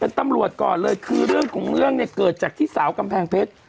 เป็นตำรวจก่อนเลยคือเรื่องของเรื่องเนี่ยเกิดจากที่สาวกำแพงเพชร